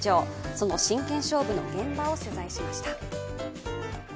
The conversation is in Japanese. その真剣勝負の現場を取材しました。